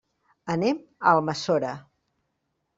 Anem a Almassora.